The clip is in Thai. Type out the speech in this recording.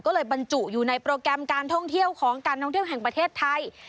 ก็เลยบรรจุอยู่ในโปรแกรมการท่องเที่ยวของการท่องเที่ยวแห่งประเทศไทย